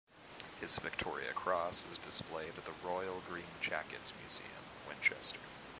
His Victoria Cross is displayed at the Royal Green Jackets Museum, Winchester.